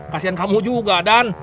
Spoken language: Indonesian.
kasihan kamu juga dan